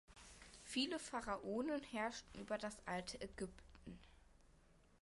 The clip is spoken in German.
Viele Pharaonen herrschten über das alte Ägypten.